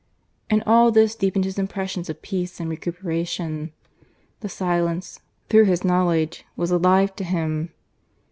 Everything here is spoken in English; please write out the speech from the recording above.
And all this deepened his impressions of peace and recuperation. The silence, through his knowledge, was alive to him.